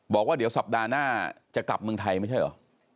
บอกว่าเดี๋ยวสัปดาห์หน้าจะกลับเมืองไทยไม่ใช่เหรอ